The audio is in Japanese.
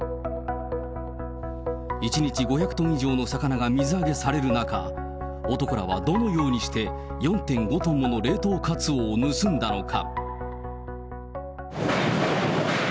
１日５００トン以上の魚が水揚げされる中、男らはどのようにして、４．５トンもの冷凍カツオを盗んだのか。